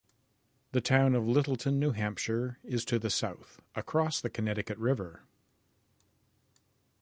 The town of Littleton, New Hampshire, is to the south, across the Connecticut River.